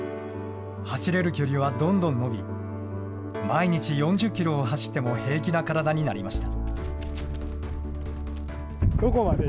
走れる距離はどんどん伸び、毎日４０キロを走っても平気な体になりました。